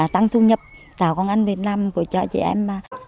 tăng thu nhập tạo công an về năm của chị em